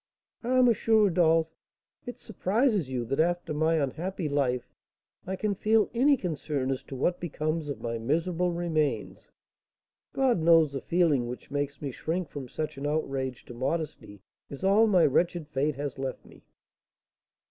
"Ah, M. Rodolph, it surprises you that, after my unhappy life, I can feel any concern as to what becomes of my miserable remains! God knows, the feeling which makes me shrink from such an outrage to modesty is all my wretched fate has left me!"